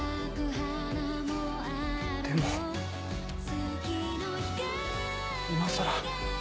でも今さら。